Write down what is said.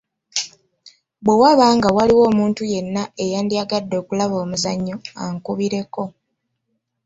Bwe waba nga waliwo omuntu yenna eyandyagadde okulaba omuzannyo ankubireko.